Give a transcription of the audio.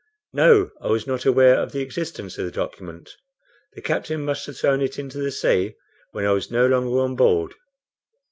"No; I was not aware of the existence of the document. The captain must have thrown it into the sea when I was no longer on board."